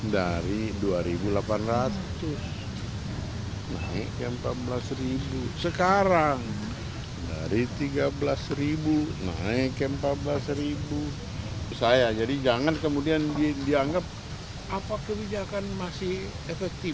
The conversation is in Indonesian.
dari kebijakan masih efektif